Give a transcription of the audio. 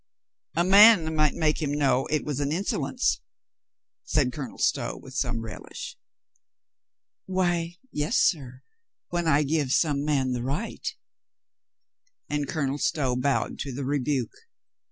"A man might make him know it was an inso lence," said Colonel Stow with some relish. "Why, yes, sir, when I give some man the right." And Colonel Stow bowed to the rebuke.